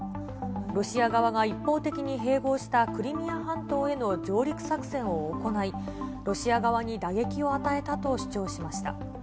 ロシア側が一方的に併合したクリミア半島への上陸作戦を行い、ロシア側に打撃を与えたと主張しました。